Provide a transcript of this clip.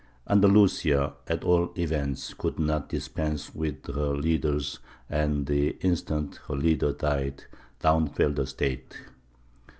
Andalusia, at all events, could not dispense with her leaders; and the instant her leader died, down fell the State.